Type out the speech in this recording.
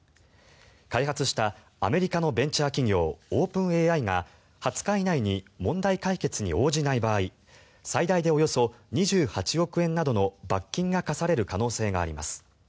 開発したアメリカのベンチャー企業オープンＡＩが２０日以内に問題解決に応じない場合最大でおよそ２８億円などの罰金が科される可能性があります。